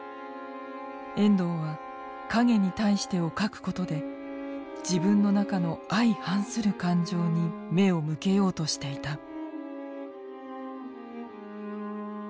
遠藤は「影に対して」を書くことで自分の中の相反する感情に目を向けようとしていた。